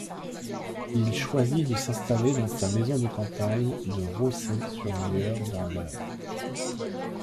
Il choisit de s'installer dans sa maison de campagne de Rosay-sur-Lieure dans l'Eure.